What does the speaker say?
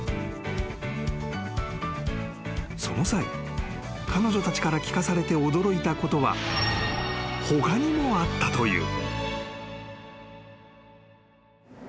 ［その際彼女たちから聞かされて驚いたことは他にもあったという］